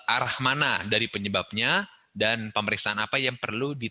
arah mana dari penyebabnya dan pemeriksaan apa yang perlu di